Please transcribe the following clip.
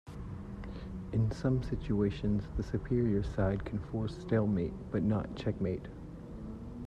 In some situations the superior side can force stalemate but not checkmate.